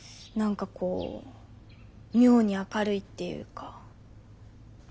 何かこう妙に明るいっていうか。